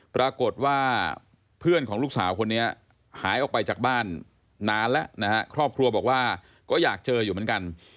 ปรากฏว่าเพื่อนของลูกสาวคนนี้หายออกไปจากบ้านนานแล้วนะฮะครอบครัวบอกว่าก็อยากเจออยู่เหมือนกัน